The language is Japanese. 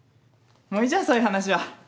もういいじゃんそういう話は。